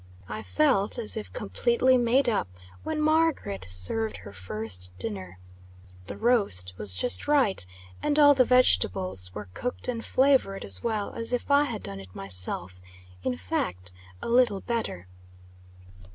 I felt as if completely made up when Margaret served her first dinner. The roast was just right, and all the vegetables were cooked and flavored as well as if I had done it myself in fact, a little better.